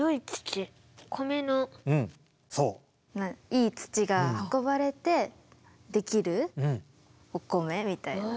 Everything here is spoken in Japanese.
いい土が運ばれてできるお米みたいな。